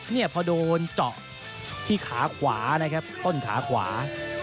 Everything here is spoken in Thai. เนี่ยพอโดนเจาะที่ขาขวานะครับต้นขาขวา